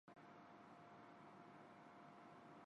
長野県麻績村